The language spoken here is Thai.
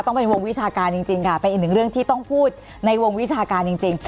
ต้องเป็นวงวิชาการจริงค่ะเป็นอีกหนึ่งเรื่องที่ต้องพูดในวงวิชาการจริง